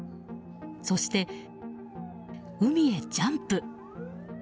そして、海へジャンプ。